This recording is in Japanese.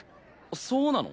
そうなの？